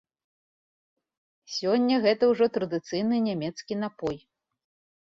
Сёння гэта ўжо традыцыйны нямецкі напой.